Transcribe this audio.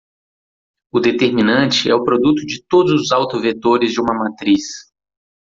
O determinante é o produto de todos os autovetores de uma matriz.